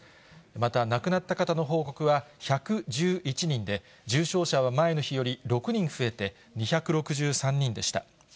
また亡くなった方の報告は１１１人で、重症者は前の日より６人増えて２６３人でした。